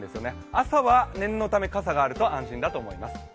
朝は念のため、傘があると安心だと思います。